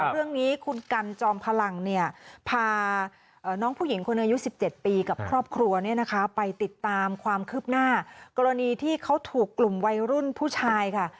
เรื่องนี้คุณกันจอมพลังเนี่ยพาน้องผู้หญิงคนอายุ๑๗ปีกับครอบครัวเนี่ยนะคะไปติดตามความคืบหน้ากรณีที่เขาถูกกลุ่มวัยรุ่นผู้ชายค่ะ